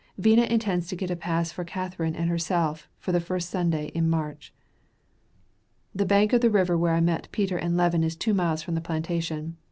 Vina intends to get a pass for Catharine and herself for the first Sunday in March. The bank of the river where I met Peter and Levin is two miles from the plantation.